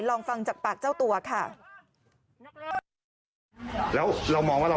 ลองฟังจากปากเจ้าตัวค่ะ